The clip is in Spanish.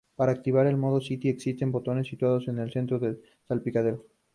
Para activar el modo "City" existe un botón situado en el centro del salpicadero.